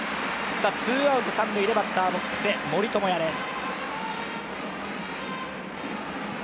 ツーアウト三塁でバッターボックス、森友哉です。